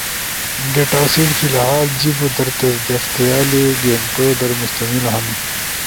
ڈیٹاسیٹ فی الحال جیبو در تصدیق تھیالے گینٹو در مشتمل ہنو،